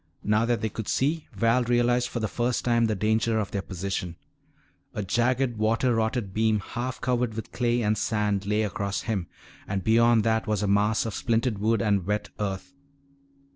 Now that they could see, Val realized for the first time the danger of their position. A jagged, water rotted beam half covered with clay and sand lay across him, and beyond that was a mass of splintered wood and wet earth.